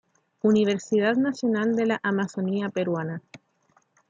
Universidad Nacional de la Amazonía Peruana.